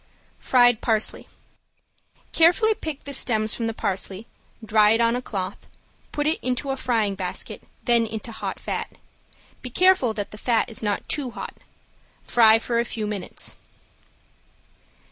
~FRIED PARSLEY~ Carefully pick the stems from the parsley, dry it on a cloth, put into a frying basket, then into hot fat. Be careful that the fat is not too hot. Fry for a few minutes.